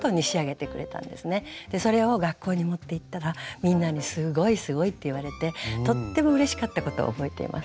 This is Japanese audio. でそれを学校に持っていったらみんなに「すごいすごい」って言われてとってもうれしかったことを覚えています。